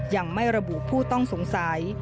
ยังไม่ระบุผู้ต้องสงสัย